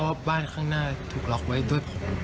เพราะบ้านข้างหน้าถูกล็อกไว้ด้วยผม